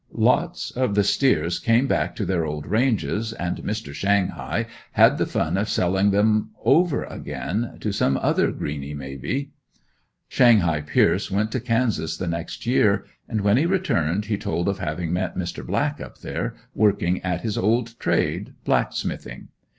Lots of the steers came back to their old ranges and Mr. "Shanghai" had the fun of selling them over again, to some other greeny, may be. "Shanghai" Pierce went to Kansas the next year and when he returned he told of having met Mr. Black up there, working at his old trade blacksmithing.